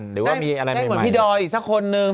ได้เหมือนพี่ดอยอีกสักคนนึง